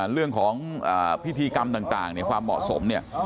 เรื่องของพิธีกรรมต่างความเหมาะสมเนี่ย